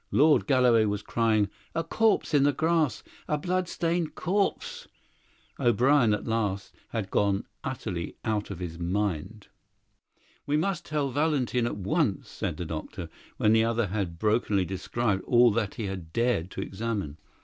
Lord Galloway was crying: "A corpse in the grass a blood stained corpse." O'Brien at last had gone utterly out of his mind. "We must tell Valentin at once," said the doctor, when the other had brokenly described all that he had dared to examine.